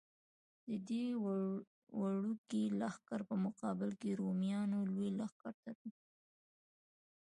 د دې وړوکي لښکر په مقابل کې رومیانو لوی لښکر درلود.